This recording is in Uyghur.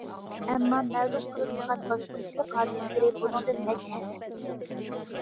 ئەمما مەلۇم قىلىنمىغان باسقۇنچىلىق ھادىسىلىرى بۇنىڭدىن نەچچە ھەسسە كۆپتۇر.